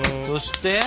そして。